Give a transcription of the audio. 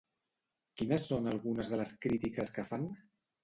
Quines són algunes de les crítiques que fan?